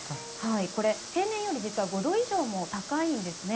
これ、平年より実は５度以上も高いんですね。